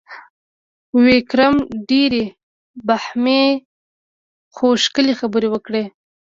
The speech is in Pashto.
ویکرم ډېرې مبهمې، خو ښکلي خبرې وکړې: